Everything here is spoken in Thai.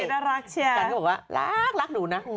โดมก็บอกว่ารักดูนะ